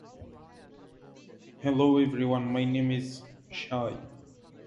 Hello everyone my name is shai